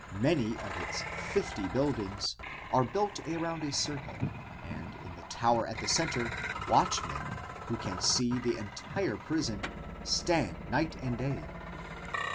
Many of its fifty buildings are built around a circle and in the tower at the center, watchmen, who can see the entire prison, stand night and day.